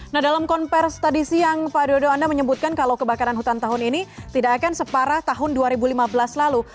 nah dalam konversi tadi siang pak dodo anda menyebutkan kalau kebakaran hutan tahun ini tidak akan separah tahun dua ribu lima belas lalu